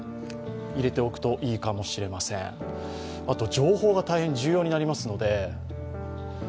情報が大変重要になります。